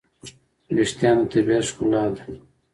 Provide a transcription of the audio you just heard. وېښتيان د طبیعت ښکلا ده.